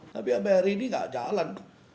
tapi mpr ini nggak jalan